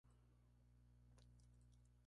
Fue publicada por Aguinaldo Silva.